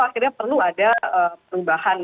akhirnya perlu ada perubahan